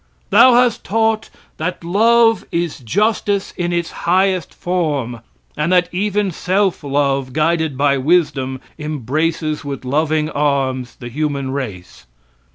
Thou hast taught that love is justice in its highest form, and that even self love, guided by wisdom, embraces with loving arms the human race.